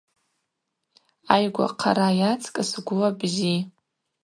Айгва хъара йацкӏыс гвла бзи.